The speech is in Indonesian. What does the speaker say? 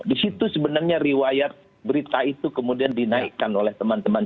di situ sebenarnya riwayat berita itu kemudian dinaikkan oleh teman teman